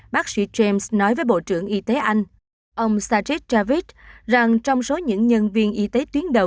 bác sĩ james nói với bộ trưởng y tế anh ông sajid javid rằng trong số những nhân viên y tế tuyến đầu